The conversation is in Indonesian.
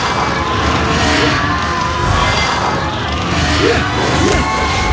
tadi aku tersesat bas mama papa